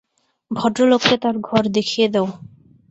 ভদ্রলোককে তাঁর ঘর দেখিয়ে দাও!